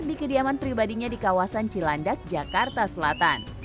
di kediaman pribadinya di kawasan cilandak jakarta selatan